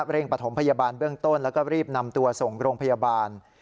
ประถมพยาบาลเบื้องต้นแล้วก็รีบนำตัวส่งโรงพยาบาล